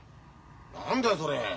何だよそれ？